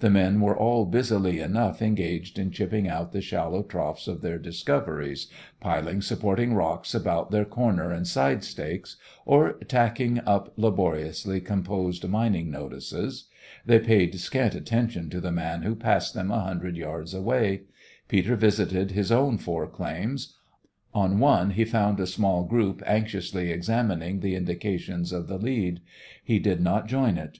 The men were all busily enough engaged in chipping out the shallow troughs of their "discoveries," piling supporting rocks about their corner and side stakes, or tacking up laboriously composed mining "notices." They paid scant attention to the man who passed them a hundred yards away. Peter visited his own four claims. On one he found a small group anxiously examining the indications of the lead. He did not join it.